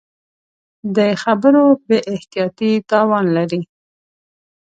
د خبرو بې احتیاطي تاوان لري